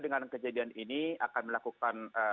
dengan kejadian ini akan melakukan